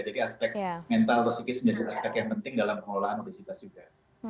jadi aspek mental atau psikis menjadi aspek yang penting dalam pengelolaan obesitas juga